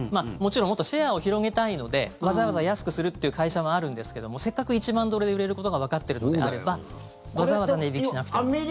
もちろんもっとシェアを広げたいのでわざわざ安くするって会社もあるんですけどもせっかく１万ドルで売れることがわかってるのであればわざわざ値引きしなくても。